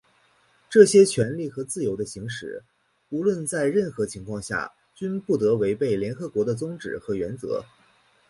这些权利和自由的行使,无论在任何情形下均不得违背联合国的宗旨和原则。